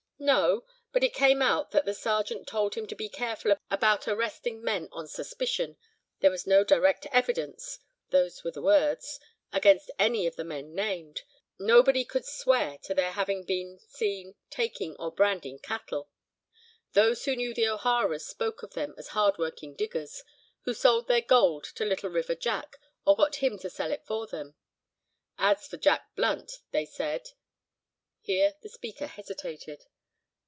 "No—but it came out that the Sergeant told him to be careful about arresting men on suspicion—there was no direct evidence (those were the words) against any of the men named. Nobody could swear to their having been seen taking or branding cattle. Those who knew the O'Haras spoke of them as hardworking diggers—who sold their gold to Little River Jack or got him to sell it for them. As for Jack Blunt they said—" here the speaker hesitated.